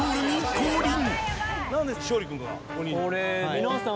皆さん。